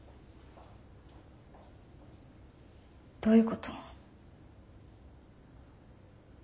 どういうこと？